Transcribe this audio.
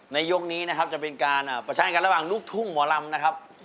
ยกนี้นะครับจะเป็นการประชันกันระหว่างลูกทุ่งหมอลำนะครับ